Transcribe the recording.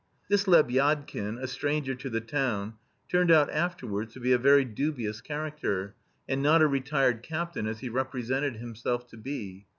This Lebyadkin, a stranger to the town, turned out afterwards to be a very dubious character, and not a retired captain as he represented himself to be.